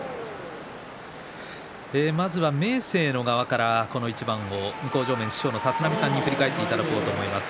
まずは明生側からこの一番向正面の師匠の立浪さんに振り返ってもらおうと思います。